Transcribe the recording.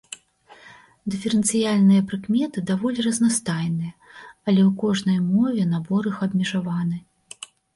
Дыферэнцыяльныя прыкметы даволі разнастайныя, але ў кожнай мове набор іх абмежаваны.